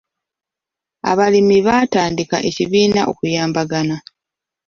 Abalimi baatandika ekibiina okuyambagana.